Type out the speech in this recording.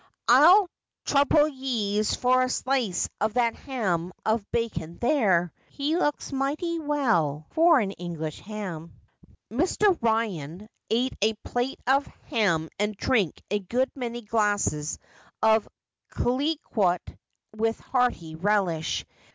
I'll trouble yez for a slice of that ham of bacon there. He looks mighty well for an English ham.' Mr. Ryan ate a plate of ham and drank a good many glasses of Clicquot with hearty relish.